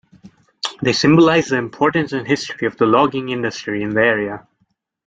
They symbolize the importance and history of the logging industry in the area.